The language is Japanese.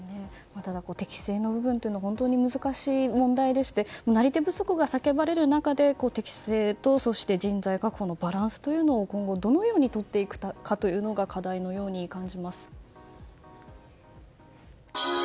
適正な部分というのは本当に難しい問題でしてなり手不足が叫ばれる中で適性と人材確保のバランスを今後、どのようにとっていくかというのが課題のように感じます。